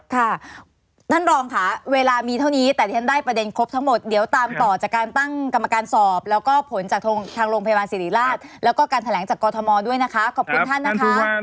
ค่ะท่านรองค่ะเวลามีเท่านี้แต่ที่ฉันได้ประเด็นครบทั้งหมดเดี๋ยวตามต่อจากการตั้งกรรมการสอบแล้วก็ผลจากทางโรงพยาบาลสิริราชแล้วก็การแถลงจากกรทมด้วยนะคะขอบคุณท่านนะคะ